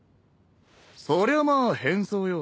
そりゃまあ変装よ。